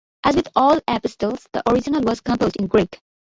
As with all epistles, the original was composed in Greek.